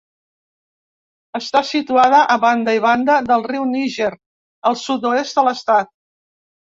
Està situada a banda i banda del riu Níger, al sud-oest de l'estat.